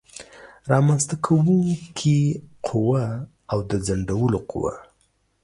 رامنځته کوونکې قوه او د ځنډولو قوه